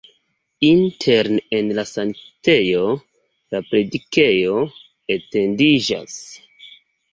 Interne en la sanktejo la predikejo etendiĝas.